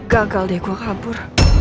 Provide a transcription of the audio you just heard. gagal deh gue kabur